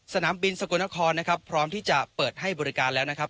สนามบินสกลนครนะครับพร้อมที่จะเปิดให้บริการแล้วนะครับ